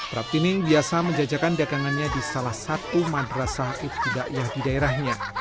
praptining biasa menjajakan dagangannya di salah satu madrasa itidak yah di daerahnya